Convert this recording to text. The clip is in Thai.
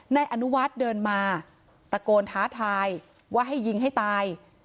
นายอนุวัฒน์เดินมาตะโกนท้าทายว่าให้ยิงให้ตาย